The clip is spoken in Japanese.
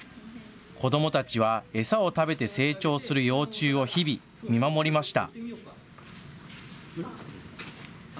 子どもたちは餌を食べて成長する幼虫を日々、見守りました。